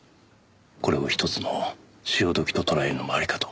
これをひとつの潮時と捉えるのもありかと。